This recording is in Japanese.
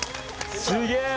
すげえ。